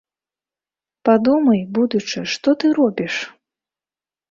Падумай, будучы, што ты робіш?